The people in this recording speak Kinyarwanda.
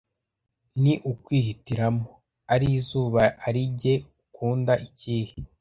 ni ukwihitiramo. Ari izuba ari jye, ukunda ikihe